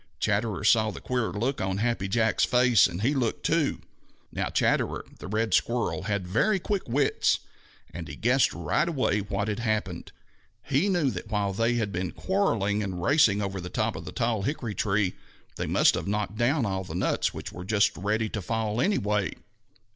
Chatterer saw the queer look on Happy Jack's face, and he looked too. Now Chatterer the Red Squirrel had very quick wits, and he guessed right away what had happened. He knew that while they had been quarreling and racing over the top of the tall hickory tree, they must have knocked down all the nuts, which were just ready to fall anyway.